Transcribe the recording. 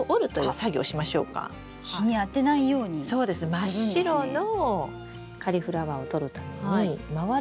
真っ白のカリフラワーをとるために周りの葉を。